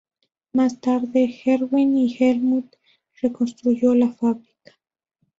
Más tarde, Erwin y Helmut reconstruyó la fábrica.